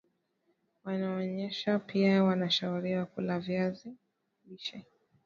wanaonyonyesha pia wanashauriwa kula viazi lishe